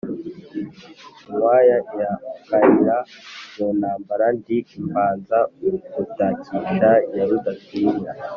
inkwaya irakalira mu ntambara ndi imbanza gutakisha ya Rudatinya,